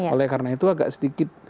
oleh karena itu agak sedikit